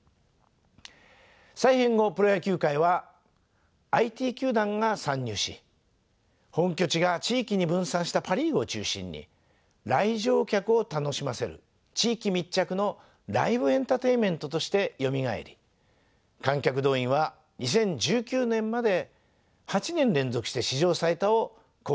再編後プロ野球界はＩＴ球団が参入し本拠地が地域に分散したパ・リーグを中心に来場客を楽しませる地域密着のライブエンターテインメントとしてよみがえり観客動員は２０１９年まで８年連続して史上最多を更新し続けました。